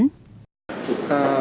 hiện tại thì